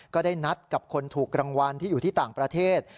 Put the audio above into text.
ก็ได้นัดกับคนถูกรางวัลที่อยู่ที่ต่างประเทศ